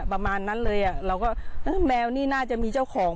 ประมาณนั้นเลยอ่ะเราก็แมวนี่น่าจะมีเจ้าของ